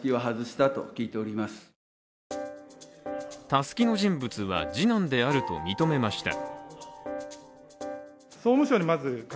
たすきの人物は、次男であると認めました。